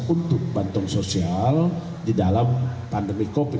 untuk bantuan sosial di dalam pandemi covid sembilan